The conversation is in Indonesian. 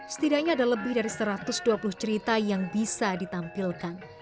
setidaknya ada lebih dari satu ratus dua puluh cerita yang bisa ditampilkan